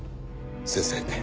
先生